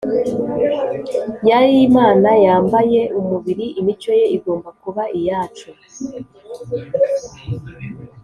yari imana yambaye umubiri imico ye igomba kuba iyacu